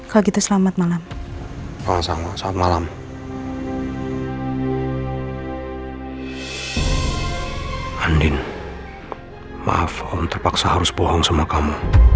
kalau gitu selamat malam